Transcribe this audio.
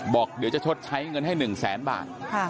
บอกเดี๋ยวจะใช้เงินให้ชด๑๐๐๐๐๐บาท